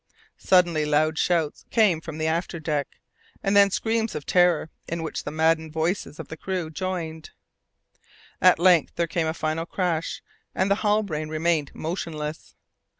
Suddenly loud shouts came from the after deck, and then screams of terror, in which the maddened voices of the crew joined. At length there came a final crash, and the Halbrane remained motionless.